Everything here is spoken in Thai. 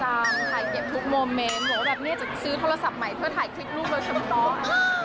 โหแบบนี่จะซื้อโทรศัพท์ใหม่เพื่อถ่ายคลิกรูปโมเซ็มต๊อบ